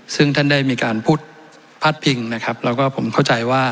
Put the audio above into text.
ซึ่งท่านได้มีการพูดพาดพิงนะครับแล้วก็ผมเข้าใจว่า